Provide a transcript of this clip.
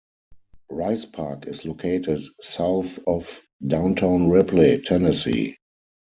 Rice Park is located south of Downtown Ripley, Tennessee.